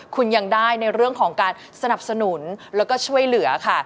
คุณยังได้ในเรื่องของการสนับสนุนแล้วก็ช่วยเหลือค่ะ